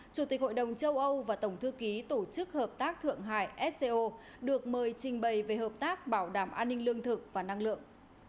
chủ tịch hội đồng châu âu và tổng thư ký tổ chức hợp tác thượng hải sco được mời trình bày về hợp tác bảo đảm an ninh lương thực và năng lượng